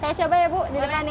saya coba ya bu di depan ya